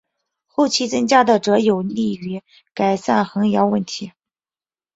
后期增加的则有助于改善横摇问题。